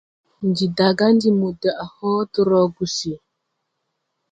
Ndi daga ndi mo daʼ hodrɔ gusi.